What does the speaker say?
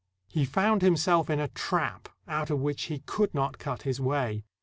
He found himseK in a trap, out of which he could not cut his way.